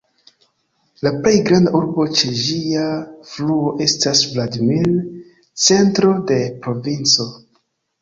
La plej granda urbo ĉe ĝia fluo estas Vladimir, centro de provinco.